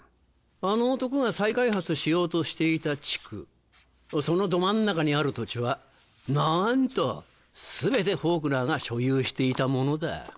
あの男が再開発しようとしていた地区そのど真ん中にある土地はなんと全てフォークナーが所有していたものだ。